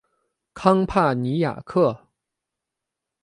康帕尼亚克。